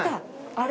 あれ？